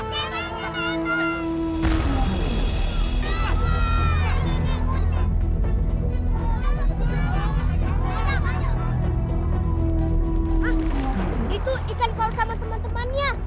itu ikan paus sama teman temannya